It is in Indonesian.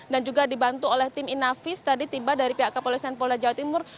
dan juga dibantu oleh tim inavis tadi tiba dari pihak kepolisian polda jawa timur